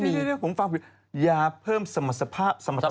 เดี๋ยวผมฟังผิวยาเพิ่มสมรรถภาพ